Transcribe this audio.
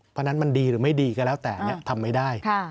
เพราะฉะนั้นมันดีหรือไม่ดีก็แล้วแต่ทำไม่ได้